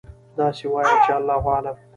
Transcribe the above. داسې وایئ چې: الله أعلم.